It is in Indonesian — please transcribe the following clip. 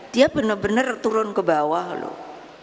dia benar benar turun ke bawah loh